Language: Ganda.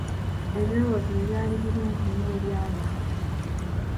Ebirowoozo bye byali birungi nnyo eri abantu.